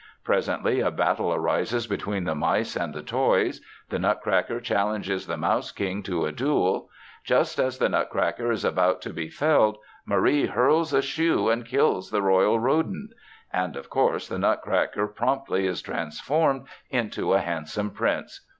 Presently a battle arises between the mice and the toys. The Nutcracker challenges the Mouse King to a duel. Just as the Nutcracker is about to be felled, Marie hurls a shoe and kills the royal rodent. And of course, the Nutcracker promptly is transformed into a handsome prince.